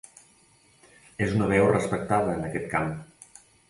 És una veu respectada en aquest camp.